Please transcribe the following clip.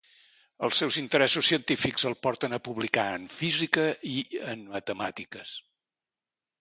Els seus interessos científics el porten a publicar en física i en matemàtiques.